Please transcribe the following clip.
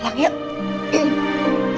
gak ada yang ngapain orang baik